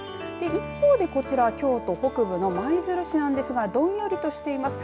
一方でこちら京都北部の舞鶴市なんですがどんよりとしています。